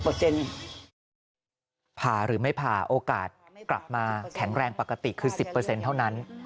ผ่าหรือไม่ผ่าโอกาสกลับมาแข็งแรงปกติคือ๑๐เท่านั้น